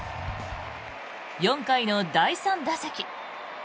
４回の第３打席。